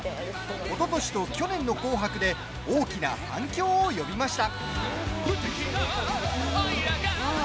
おととしと去年の「紅白」で大きな反響を呼びました。